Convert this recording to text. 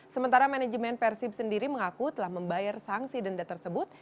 sementara manajemen persib sendiri mengaku telah membayar sanksi denda tersebut